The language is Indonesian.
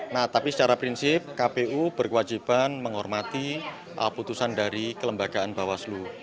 nah tapi secara prinsip kpu berkewajiban menghormati putusan dari kelembagaan bawaslu